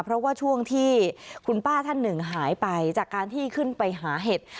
เพราะว่าช่วงที่คุณป้าท่านหนึ่งหายไปจากการที่ขึ้นไปหาเห็ด